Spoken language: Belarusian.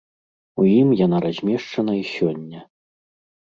У ім яна размешчана і сёння.